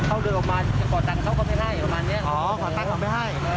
เพราะพระถูกโขงแบบนี้